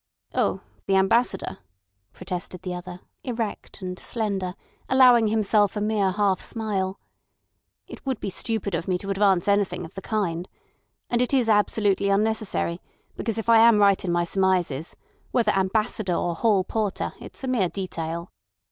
"Oh! The Ambassador!" protested the other, erect and slender, allowing himself a mere half smile. "It would be stupid of me to advance anything of the kind. And it is absolutely unnecessary, because if I am right in my surmises, whether ambassador or hall porter it's a mere detail."